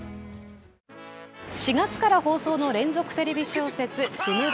４月から放送の連続テレビ小説「ちむどんどん」。